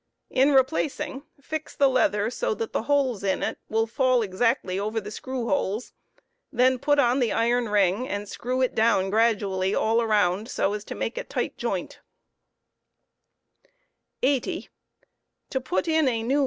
In replacing, flx the leather so that the holes in it will fall exactly over the screw holes; then put on the iron ring and screw it down gradually all around so as to make a tight joint leather valv ! a * 80. . To put in a new